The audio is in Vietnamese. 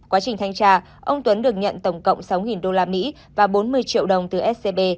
quá trình thanh tra ông tuấn được nhận tổng cộng sáu usd và bốn mươi triệu đồng từ scb